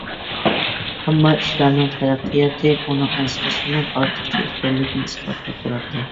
ئەمما ئىشلارنىڭ تەرەققىياتى ئۇنىڭ ئەنسىرىشىنىڭ ئارتۇقچە ئىكەنلىكىنى ئىسپاتلاپ تۇراتتى.